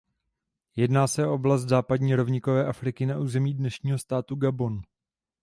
Jedná se o oblast západní rovníkové Afriky na území dnešního státu Gabon.